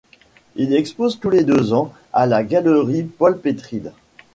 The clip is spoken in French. Il expose tous les deux ans à la galerie Paul Petrides.